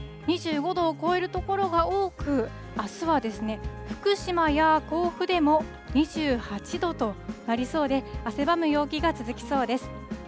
２５度を超える所が多く、あすは福島や甲府でも２８度となりそうで、汗ばむ陽気が続きそうです。